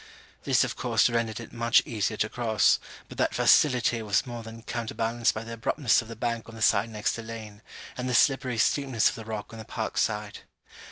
This of course rendered it much easier to cross, but that facility was more than counterbalanced by the abruptness of the bank on the side next the lane, and the slippery steepness of the rock on the park side.